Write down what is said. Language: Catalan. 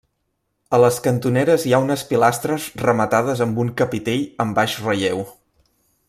A les cantoneres hi ha unes pilastres rematades amb un capitell amb baix relleu.